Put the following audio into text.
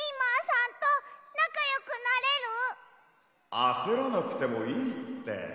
あせらなくてもいいって。